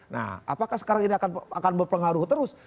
nah apakah sekarang ini akan berpengaruh terus